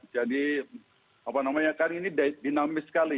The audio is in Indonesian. jadi apa namanya kan ini dinamis sekali